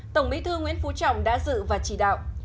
tổng bí thư nguyễn phú trọng đã dự và chỉ đạo